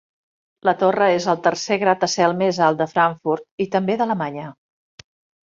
La torre és el tercer gratacel més alt de Frankfurt i també d'Alemanya.